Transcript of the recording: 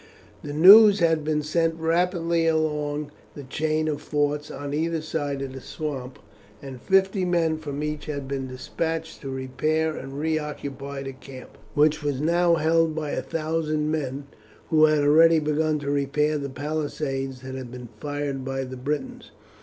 The news had been sent rapidly along the chain of forts on either side of the swamp, and fifty men from each had been despatched to repair and reoccupy the camp, which was now held by a thousand men, who had already begun to repair the palisades that had been fired by the Britons.